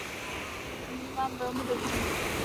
Rozumím vám velmi dobře.